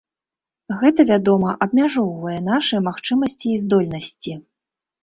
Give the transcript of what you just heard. Гэта, вядома, абмяжоўвае нашы магчымасці і здольнасці.